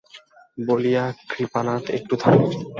বলিয়া কৃপানাথ একটু থামে।